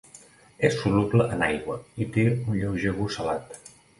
És soluble en aigua i té un lleuger gust salat.